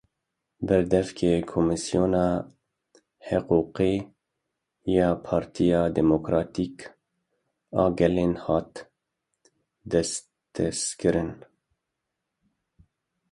Berdevkê Komîsyona Hiqûqê ya Partiya Demokratîk a Gelan hat desteserkirin.